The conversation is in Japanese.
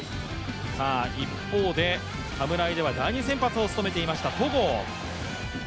一方で、侍では第２先発を務めていました、戸郷。